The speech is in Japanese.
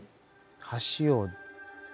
橋を。